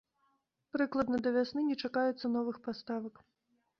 Прыкладна да вясны не чакаецца новых паставак.